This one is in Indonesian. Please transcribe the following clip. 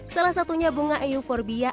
salah satunya bunga euforbia